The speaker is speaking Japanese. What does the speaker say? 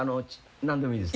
何でもいいです。